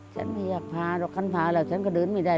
ฉันไม่อยากพาหรอกฉันพาแล้วฉันก็เดินไม่ได้